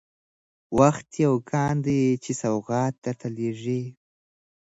وخت يو كان دى چا سوغات درته لېږلى